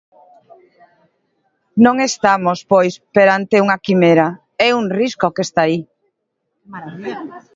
Non estamos, pois, perante unha quimera, é un risco que está aí.